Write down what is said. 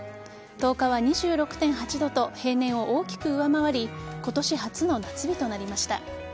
１０日は２６．８度と平年を大きく上回り今年初の夏日となりました。